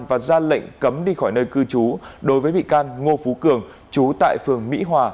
và ra lệnh cấm đi khỏi nơi cư trú đối với bị can ngô phú cường chú tại phường mỹ hòa